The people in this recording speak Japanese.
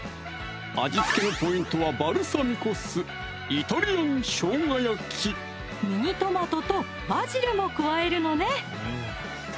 味付けのポイントはバルサミコ酢ミニトマトとバジルも加えるのね